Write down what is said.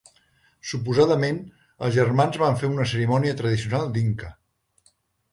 Suposadament, els germans van fer una cerimònia tradicional dinka.